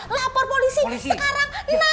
lapor polisi sekarang